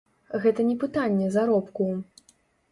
Гэта не пытанне заробку.